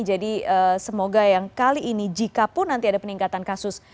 jadi semoga yang kali ini jikapun nanti ada peningkatan kasus